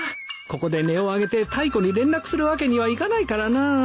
ここで音を上げてタイコに連絡するわけにはいかないからなぁ。